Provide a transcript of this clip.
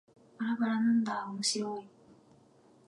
ばらばらなんだーおもしろーい